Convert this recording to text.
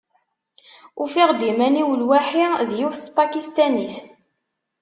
Ufiɣ-d iman-iw lwaḥi d yiwet n Tpakistanit.